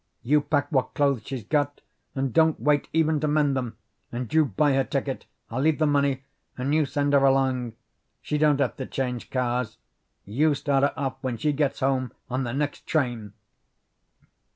You pack what clothes she's got, and don't wait even to mend them, and you buy her ticket. I'll leave the money, and you send her along. She don't have to change cars. You start her off, when she gets home, on the next train!"